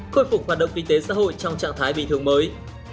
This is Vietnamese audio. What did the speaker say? khôi phục hoạt động kinh tế xã hội trong trạng thái bình thường mới